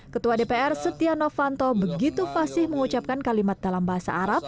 ketua dpr setia novanto begitu fasih mengucapkan kalimat dalam bahasa arab